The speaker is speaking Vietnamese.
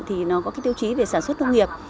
thì nó có cái tiêu chí về sản xuất nông nghiệp